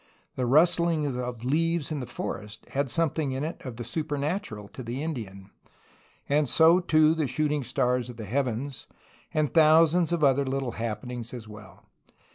The rustUng of leaves in the forest had something in it of the supernatural to the Indian, and so too the shooting stars of the heavens, and thousands of other little happenings as well.